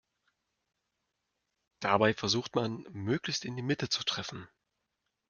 Dabei versucht man, möglichst die Mitte zu treffen.